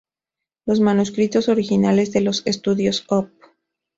Los manuscritos originales de los "Estudios Op.